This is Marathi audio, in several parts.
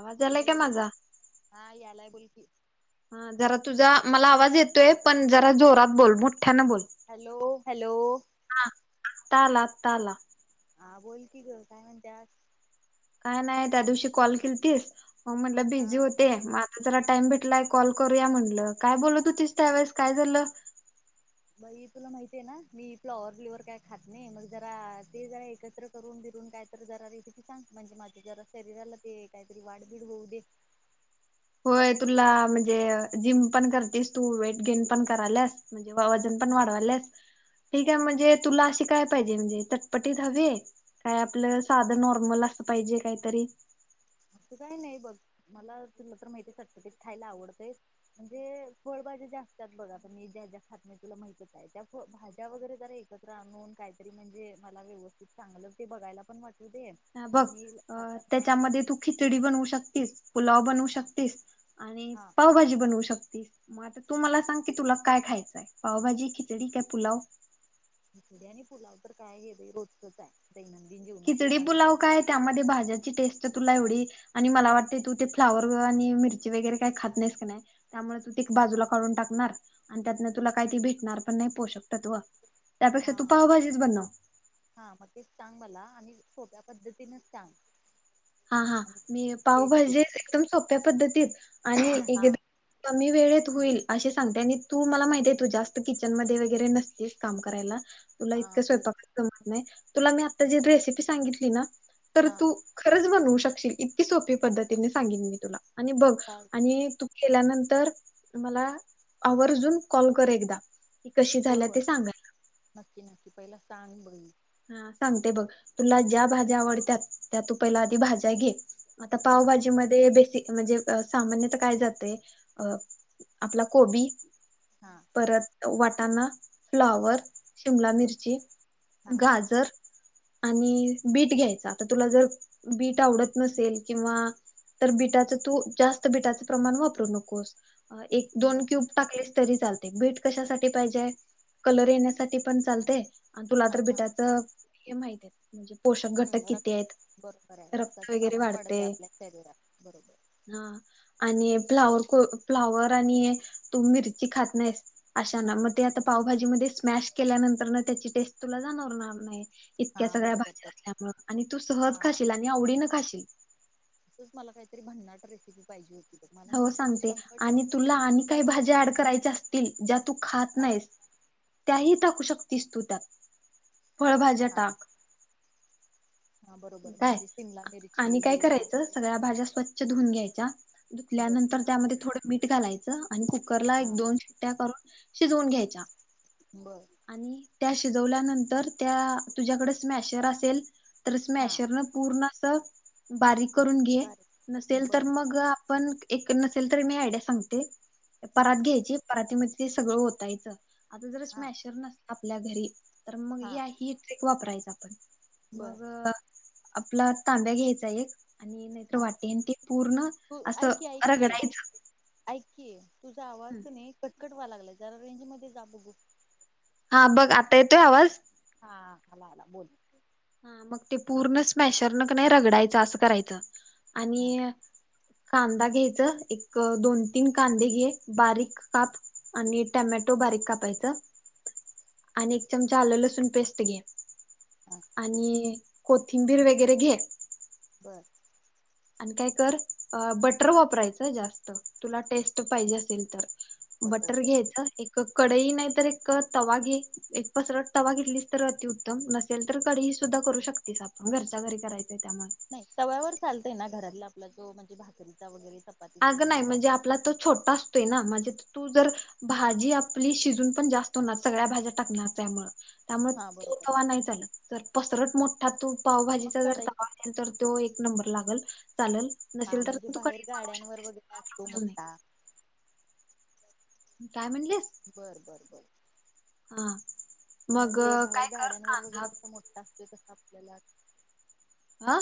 आवाज आल्यायं का हॅलो माझा हा यालाय बोल की हा जरा तुझा मला आवाज येतोय पणं जरा जोरात बोल मोठ्यानं बोल. हॅलो हॅलो आता आला आता आला हा बोलकी ग काय म्हणत्या आ काय नाहीं त्या दिवशी कॉल केलती मंग म्हटलंय बिझी हा होते आता जरा टाईम भेटलाय कॉल करून म्या म्हटलं काय बोलत होतीस त्यावेेळेस काय झालं बई तुला माहितेय ना मी फ्लॉवर ब्लिवर काय खात नाही मग जरा ते जरा एकत्र करून अजून कायतर जरा रेसिपी सांग म्हणजे माझ्या जरा शरीराला ते काहीतरी वाढबीड होऊदे [unintelligible] होय तुला म्हणजे जिम पण करतेस तू वेट गेन पण कराल्यास हा वजन पण हा वाढवाल्यात. ठीक हाय, म्हणजे तुला अशी काय पाहिजे? म्हणजे चटपटीत हवीय काय? आपलं साध नॉर्मल असत पाहिजे काहीतरी असं काही नाही बघ, मला तुला तर माहितेय चटपटीत खायला आवडतय म्हणजे फळभाजी ते ज्या असत्यात बघ, आता मी ज्या-ज्या खात नाय तुला माहितच आहे. त्या-पो भाज्या वगैरे जरा एकत्र आणुन कायतरी म्हणजे मला व्यवस्थित चांगलं ते बघयला पण वाटत. हा बघ अं त्याच्यामध्ये तू खिचडी बनवू शकतीस, पुलाव बनवू हा शकतीस आणि हा पावभाजी बनवू शकतीस. मग आता तू मला सांग की तुला काय खायचंय पावभाजी, खिचडी, काय पुलाव. खिचडी आणि पुलाव तर काय हे बाई रोजचच आहे. दैनंदिन जीवनातलं खिचडी, माझं तर पुलाव काय त्यामध्ये भाज्याची टेस्ट तर तुला एवढी आणि मला वाटतय तू ते फ्लावर आणि मिरची वगैरे काय खात नाहीस कने त्यामुळ तू तेक बाजूला काढून टाकणार आणि त्यातन तुला काय त भेटणार पण नाय पोषक तत्व त्यापेक्षा हा तू पावभाजीच बनव. हा. मग तेच सांग मला आणि सोप्या पद्धतीनच सांग. हा, हा आणि मी तेच पावभाजी एकदम सोप्या पद्धतीत आणि हा एकदम कमी वेळेत होईल. असे सांगते आणि तू मला माहिती आहे, तु जास्त किचन मध्ये वगैरे नसतेस काम करायला तुला हा इतकं तेच स्वयपाक जमणार नाही, तुला मी आता जी रेसिपी सांगितली ना तर हा तू एकटीच बनवू शकशील इतकी सोपी पद्धतीने मी सांगिन मी तुला आणि बघ हा आणि तू केल्यानंतर मला आवर्जून कॉल कर एकदा की कशी होय झाल्या होय ते सांगायला. नक्की, नक्की! पहिला सांग बघ मी हा सांगतो बघ, तुला ज्या भाज्या आवडत्यात त्या तू पहिला आधी भाज्या घे. आता हा पावभाजी मध्ये बेसिक म्हणजे सामान्यता काय जातय अ आपला कोबी. हा परत वाटाणा. फ्लॉवर. शिमला. बर मिरची. हा गाजर. आणि बीट घ्यायच. आता तुला जर बीट आवडत नसेल किंवा. तर बिटाचं तू जास्त बिटाचं प्रमाण वापरू नकोस. एक दोन बर क्यूब टाकलेस तरी चालते. बीट कशासाठी पाहिजे? कलर येण्यासाठी पण चालते. आणि तुला हा तर बिटाच हे माहितेय म्हणजे. पोषक घटक हम किती आहेत रक्त बरोबर आहे. रक्त रक्ताचं वगैरे प्रमाण वाढत वाढते आपल्या शरीरात बरोबर. हा आणि फ्लॉवर को फ्लावर आणि तू मिरची खात नाहीस. अशांना मग ते आता पावभजी मध्ये स्मॅश. केल्यानंतरन त्याची टेस्ट तुला जाणावरणार नाही. हा इतक्या सगळ्या बरोबर भाज्या बर असल्यामुळ आणि तू हा सहज खाशील. आणि आवडीन खाशील. तसच मला काहीतरी भन्नाट रेसिपी पाहिजे होती. बघ मला हो माहित होत सांगते. शंभर आणि टक्के तुला ती आणि काही तुझ्याकडून भाज्या ऍड मिळणार करायच्या असतील ज्या तू खात हा नाहीस. त्याही टाकू शकतीस. तू त्यात फळभाज्या हा टाक. हा बरोबर काय म्हणजे सिमला आणि मिरची काय हे ते करायचं. म्हणजे सगळ्या भाज्या स्वच्छ धूऊन घ्यायच्या. बर धुतल्यानंतर त्यामध्ये थोडं. मीठ घालायचं आणि कुकरला एक हा दोन शिट्ट्या करून शिजवून घ्यायच्या. बरं. आणि त्या शिजवल्यानंतर त्या तुझ्याकडं स्मॅशर असेल. तर हा स्मॅशरनं पूर्ण. अस बारीक करून घे बर नसेल तर बर मग. आपण एक नसेल तर मी आयडिया सांगते. हा परात घ्यायची परातीमध्ये ते सगळं ओतायचं. आता जर हा स्मॅशर नसल आपल्या घरी. तर मग हा ही ट्रिक वापरायच आपण बर मग. आपला तांब्या घ्यायचा एक. आणि नाहीतर हा वाटी. आणि ते पूर्ण तू असं ऐक की ऐक की रगडायचं. ऐक की तुझा आवाज कणी कट-कट व्हायलागलाय. जरा रेंज मध्ये जा बघू. हा बघ आता येतोय आवाज? आला-आला बोल. हा मग ते पूर्ण स्मॅशरन कणी रगडायचं. असं करायचं हा आणि कांदा घ्यायच. एक दोन-तीन कांदे घे बारीक काप आणि टमाटो टोमॅटो बारीक कापायचं आणि एक चमचा आलं लसूण पेस्ट घे. हा आणि कोथिंबीर वगैरे घे. बर. आणि काय कर बटर वापरायचं. जास्त तुला टेस्ट पाहिजे असेल तर. बटर घ्यायचं एक कडई नाही तर एक तवा घे. एक पसरत तवा घेतलीस तर अतिउत्तम. नसेल तर कढईत सुद्धा करू शकतेस. आपण घरच्या घरी करायच. नाही तवव्यावर चालतय ना. घरातला आपला जो म्हणजे भाकरीचा वगैरे. चपातीचा अग जो नाही. तवा म्हणजे असतो आपला तो छोटा असतोय ना म्हणजे तू जर भाजी आपली शिजून पण जास्त होणार. सगळ्या भाज्या टाकणार त्यामुळे. त्यामुळे हा तो बरोबर तवा नाही चालत. तर पसरट मोठा तू मग पावभजीचा जर कढई तावा असेल तर तो एक नंबर लागल. चालल. हा नसेल तर म्हणजे तू बाहेर कढई बनवू शकते. [unintelligible] काय म्हणलीस? बर. बर. बर. हा मग म्हणजे बाहेर काय कर गाड्यांवर. कांदा वगैरे मोठा असतोय तसा आपल्याला. आ.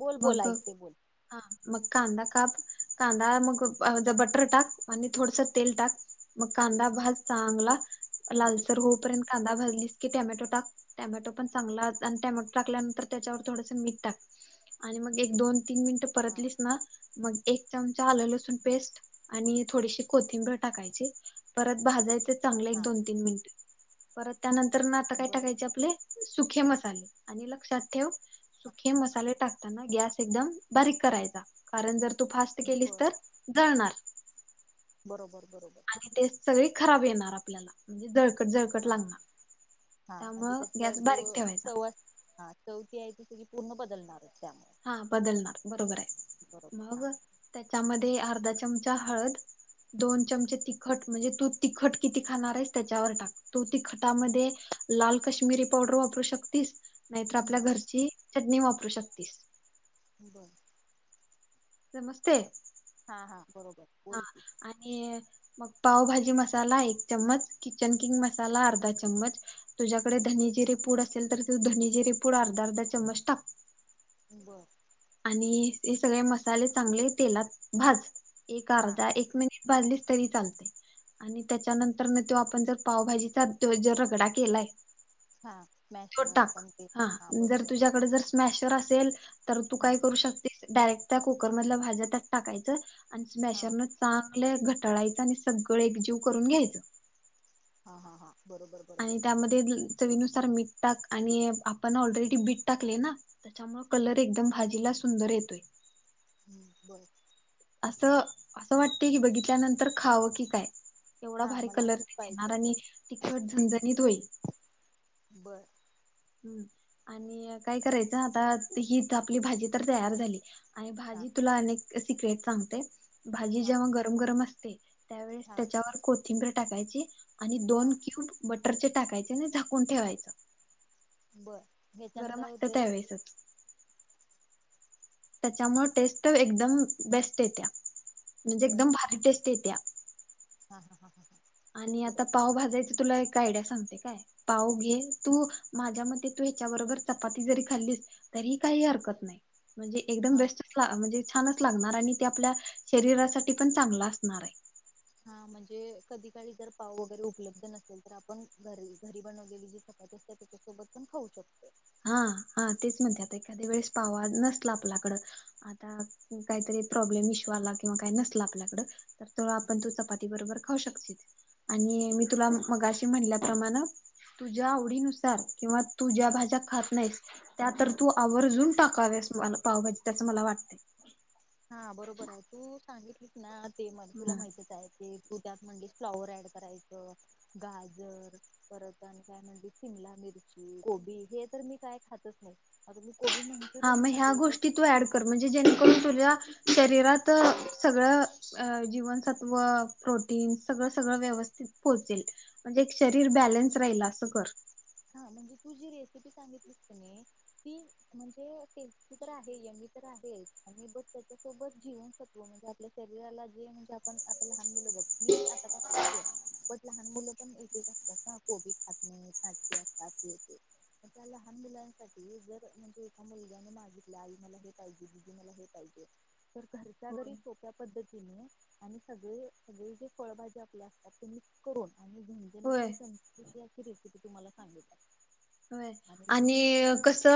बोल बोल मग ऐकतो. हा मग कांदा काप. कांदा मग बटर टाक. आणि थोडस तेल टाक. मग कांदाभाज चांगला. लालसर होऊर्यंत. कांदा भजलीस की टॅमॅटो टाक. टॅमॅटो पण चांगला. आणि टॅमॅटो टाकल्यानंतर त्याच्यावर थोडस मीठ टाक. आणि मग एक दोन-तीन मिनटं हा परतलीस ना. मग एक चमचा आलं लसूण हा पेस्ट आणि थोडीशी कोथिंबीर टाकायची परत भाजायचे. चांगलं एक हा दोन-तीन मिनिट परत त्यानंतर आता काय बर टाकायचे आपले. सुखे मसाले. आणि लक्षात ठेव सुखे मसाले टाक. गॅस एकदम बारीक करायचा. कारण जर तू फास्ट केलीस बर तर जळणार. बरोबर. बरोबर आणि टेस्ट सगळी खराब येणार आपल्याला जळ [unintelligible] त्यामुळं गॅस बारीक ठेवायचा पूर्ण बदलणार. हा बदलणार. बरोबर आहे बरोबर मग हा त्याच्यामध्ये अर्धी अर्धा चमचा हळद. दोन चमचे तिखट. म्हणजे तू तिखट किती खाणार आहेस त्याच्यावर टाक. तू तिखटामध्ये लाल कश्मीरी पावडर वापरू शकतीस. नाहीतर आपल्या बर घरची चटणी वापरू शकतीस. बर. समजतंय. हा. हा. बरोबर हा बोल की आणि मग. पावभाजी मसाला एक चम्मच. किचन किंग मसाला अर्धा चम्मच. तुझ्याकडे धनी-जिरे पूड असेल तर. तर धने. जिरे. पूड अर्धा अर्धा चमच टाक. बर. आणि हे सगळे मसाले चांगले तेलात भाज. एक हा अर्धा एक मिनिट. भाजलीस तरी चालतय. आणि त्याच्यानंतर न तो आपण जर पावभाजीचा जर रगडा केलाय. हा मॅश त्यो टाक. आपण ते हा जर बरोबर तुझ्याकड जर स्मॅशर असेल. तर तू हा काय करू शकतेस. डायरेक्ट त्या कुकर मधल्या भाज्या त्यात टाकायचं आणि हा स्मॅशरनं चा चांगल आपल घटाळायचं. आणि सगळं एकजीव करून घ्यायचं. हा. हा. हा. बरोबर बरोबर आणि त्यामध्ये. चवीनुसार मीठ टाक. आणि आपण ऑलरेडी बीट टाकले ना त्याच्यामुळे कलर एकदम भाजीला सुंदर येतोय. हम्म बर. असं असं वाटते की. बघितल्यानंतर खावं की काय. एवढा हा भारी मला कलर असंच येणार. पाहिजे आणि तिखट झनझणी होईल. बर हम् आणि काय करायचं. आता ही आपली भाजी तर तयार झाली. आणि हा भाजी तुला अनेक सिक्रेट सांगते. भाजी हा जेव्हा गरम-गरम असते. त्यावेळेस हा त्याच्यावर कोथिंबीर टाकायची आणि दोन हा क्यूब बटर र टाकायचे झाकून ठेवायच. बर त्याच्यान काय होतय. त्याच्यामुळे टेस्ट. एकदम बेस्ट येत्या. म्हणजे बर एकदम भारी टेस्ट. येत्या. हा. हा. हा. हा. आणि आता पाव भाजायचे तुला एक. आयडिया सांगते काय. पाव घे. तू माझ्या मते तू ह्याच्याबरोबर चपाती जरी खाल्लीस. तरी काही हरकत नाही. म्हणजे एकदम हा बेस्टच म्हणजे छानच लागणार. आणि ते आपल्या शरीरासाठी पण चांगला असणार आहे. हा म्हणजे कधी काळी जर पाव वगैरे उपलब्ध नसेल तर आपण घरी-घरी बनवलेली जी चपाती तस त्याच्यासोबत पण खाऊ शकतोय. हा. हा. तेच म्हणते. आता एखाद्या वेळेस पावा नसला आपल्याकड आता काहीतरी. प्रॉब्लेम इशो आला. किंवा काय नसलं आपल्याकड. तर आपण चपाती बरोबर खाऊ शकतेस. आणि मी तुला मगशी म्हणल्याप्रमाण. तुझ्या आवडीनुसार किंवा तु ज्या भाज्या खात नाहीस. त्या तर तू आवर्जून टाकाव्यास. मला पावभाजी त्या मला वाटत. हा बरोबर आहे तू सांगितलीस ना ते मग. तुला माहतीच आहे ते. तू त्यात म्हणलीस फ्लाॉवर ऍड करायच. गाजर. परत आणि काय म्हणलीस शिमला मिरची. गोबी. हे तर मी काय खातच नाही. आता मी कोबी हा मंचुरियन मग ह्या खाते पण गोष्टी तू ऍड कर म्हणजे जेणेकरून तुझ्या शरीरात सगळ जीवनसत्व प्रोटीन सगळं-सगळं व्यवस्थित पोहचेल म्हणजे एक शरीर बॅलन्स राहील असं कर. हा म्हणजे तू जी रेसिपी सांगितस किनी. ती म्हणजे टेस्टी तर आहे मी. आहे त्याच्याोबत जीवनसत्त्व म्हणजे. आपल्या शरीला जे म्हणजे आप लहान मुल. मी आता काय मोठी हाय. पण लहान मुलं पण एक असतात ना की खात नाही. कात य ते [unintelligible] त्या लहान मुलांसाठी जर म्हणजे एका मुलग्याने मागितल्या आई मला हे पाहिजे. दीदी मला हे पाहिजे. घरच्या होय घरी सोप्या पद्धतीने आणि सगळे-सगळे जे फळभजी आपल्या. मी करून आणि झज होय संस्कृती क रती तुम्हाला सांगित [unintelligible] व्हय आणि कस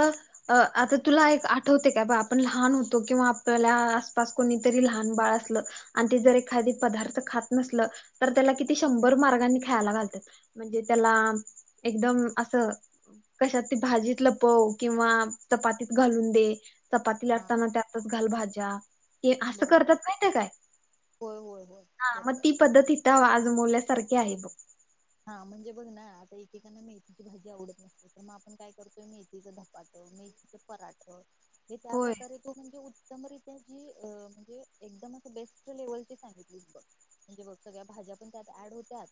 आता तुला एक आठवते काय. बा आपण लहान होतो. किंवा आपल्याला आसपास कोणीतरी लहान बाळ असलं आणि ते जर एखादे पदार्थ खात नसल. तर त्याला किती शंभर मार्गानी खायला घालतात म्हणजे त्याला. एकदम असं. कशात त भाजीत लपव. किंवा चपातीत घालून दे. चपाती हा लाटताना त्यातच घाल भाज्या. असं बरोबर करतात माहिती ते काय. होय होय होय हा मग बरोबर ती पद्धतीत आजमोवल्या - सारखे आहे बघ- हा म्हणजे बघ ना. आता एकेकांना मेथीची भाजी आवडत नसते. तर मग आपण काय करतोय मेथीचा धपाटं - मेथच पराठ करतो. हे त्या होय प्रकारे तो करून घेऊ - एकरित्या जी म्हणजे एकदमच बेस्ट लेवलची सांगितलीस बग - सगळ्या भाज्या पण त्यात ऍड होत्यात.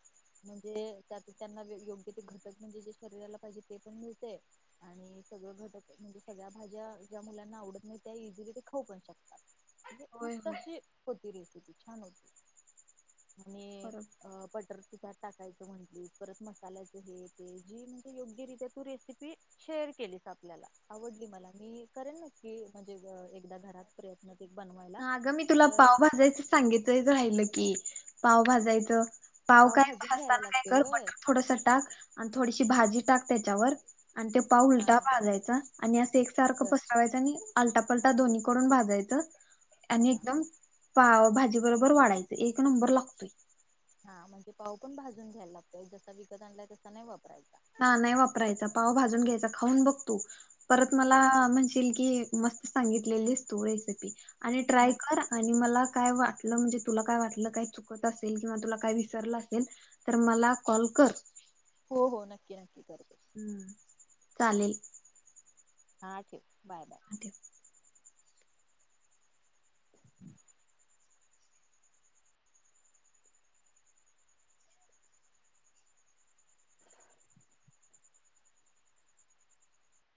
म्हणजे त्यात त्यांना योग्य ते घटक म्हणजे जे शरीराला पाहिजे ते पण मिळते आणि स म्हणजे सगळ्या भाज्या ज्या मुलांना आवडत नाही त्या इझिली ते खाऊ पण शकतात. म्हणजे होय मस्त होय अशी होती रेसिपी छान होती. आणि बरोबर अ बटर [unintelligible] टाकायच म्हटली परत मसाल्याच हे ते जी म्हणजे योग्यरित्या तू रेसिपी शेअर केलीस. आपल्याला आवडली मला मी करेन नक्की म्हणजे एकदा घरात प्रयत्न ते बनवायला अगं मी तुला तर पाव भाजायचं सांगायचं राहिलं की पाव भाजायचं पाव काय भाजून घ्यायला भाजताना काय लागते कर होय बटर थोडस टाक आणि थोडीशी भाजी टाक त्याच्यावर आणि ते पाव हा उलटा हा हा भाजायचा आणि असं एकसारखं बर पसरवायचं आणि अलटा पलटा दोन्ही कडून भाजायचं हा आणि हा हा एकदम पाव भाजी बरोबर वाढायचं एक नंबर लागतोय. हा म्हणजे पाऊ पण भाजून घ्यायला लागतोय जसा विकत आणलाय तसा नाही वापरायच. ना नाही वापरायचा पाव भाजून घ्यायचा खाऊन बघतू परत हो मला म्हणशील की मस्त सांगितलेलीस तू रेसिपी आणि ट्राय नक्की कर आणि मला काय वाटलं म्हणजे तुला काय वाटलं, चुकत असेल, किंवा तुला काय विसरलं असेल मला कॉल [inaudible] हो हो नक्की नक्की कर हम्म चालेल. हा ठीक बाय- बाय! [inaudible]